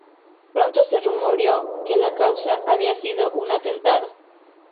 Pronto se rumoreó que la causa había sido un atentado.